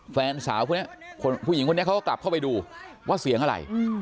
แฟนสาวคนนี้ผู้หญิงคนนี้เขาก็กลับเข้าไปดูว่าเสียงอะไร